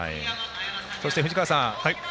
そして、藤川さん